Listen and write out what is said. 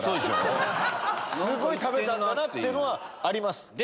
すごい食べたんだなっていうのはあります。